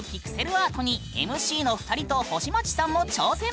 アートにＭＣの２人と星街さんも挑戦！